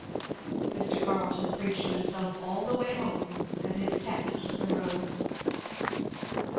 Mr. Carleton preached to himself all the way home, and his text was a rose.